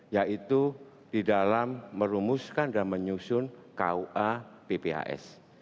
yaitu di dalam merumuskan dan menyusun kua pphs